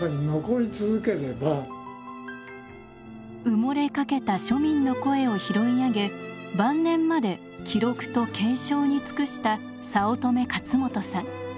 埋もれかけた庶民の声を拾い上げ晩年まで記録と継承に尽くした早乙女勝元さん。